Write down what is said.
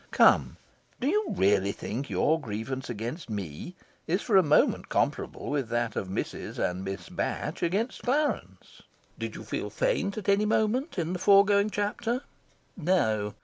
Come, do you really think your grievance against me is for a moment comparable with that of Mrs. and Miss Batch against Clarence? Did you feel faint at any moment in the foregoing chapter? No.